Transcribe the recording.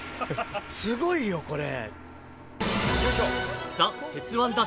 すごいよこれ。